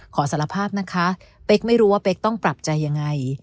สารภาพนะคะเป๊กไม่รู้ว่าเป๊กต้องปรับใจยังไง